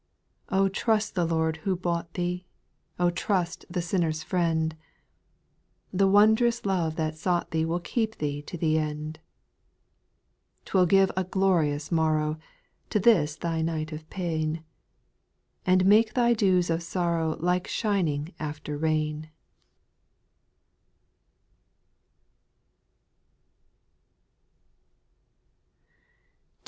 8. O trust the Lord who bought thee ; O trust the sinner's Friend ; The wondrous love that sought thee Will keep thee to the end ;— 4. 'T will give a glorious morrow To this thy night of pain. And make thy dews of sorrow Like shining after rain.